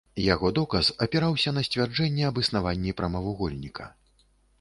Яго доказ апіраўся на сцвярджэнне аб існаванні прамавугольніка.